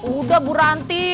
udah bu ranti